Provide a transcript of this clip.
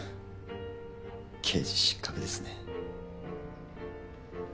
刑事失格ですね。